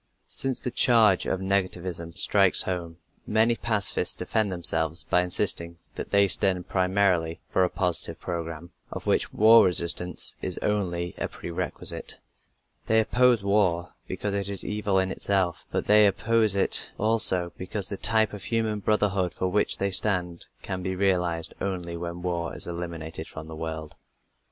Since the charge of negativism strikes home, many pacifists defend themselves by insisting that they stand primarily for a positive program, of which war resistance is only a pre requisite. They oppose war because it is evil in itself, but they oppose it also because the type of human brotherhood for which they stand can be realized only when war is eliminated from the world.